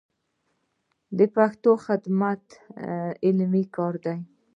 د پښتو خدمت علمي کار دی.